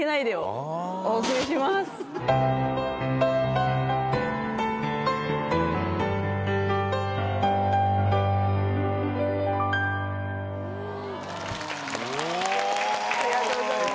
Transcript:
ありがとうございます。